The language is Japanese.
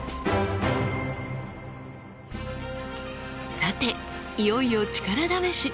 さていよいよ力試し。